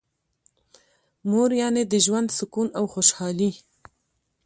مور یعنی د ژوند سکون او خوشحالي.